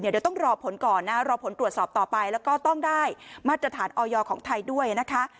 เดี๋ยวต้องรอผลก่อนนะรอผลตรวจสอบต่อไปแล้วก็ต้องได้มาตรฐานออยของไทยด้วยนะคะ